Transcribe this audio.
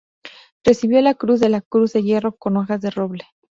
Recibió la Cruz de la Cruz de Hierro con Hojas de Roble.